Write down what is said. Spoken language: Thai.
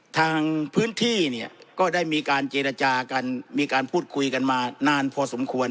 ทางพื้นที่เนี่ยก็ได้มีการเจรจากันมีการพูดคุยกันมานานพอสมควร